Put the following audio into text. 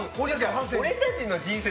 俺たちの半生に。